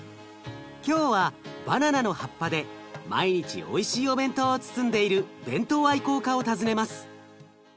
今日はバナナの葉っぱで毎日おいしいお弁当を包んでいる弁当愛好家を訪ねます。